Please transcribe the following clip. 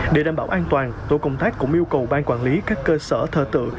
để đảm bảo an toàn tổ công tác cũng yêu cầu ban quản lý các cơ sở thờ tự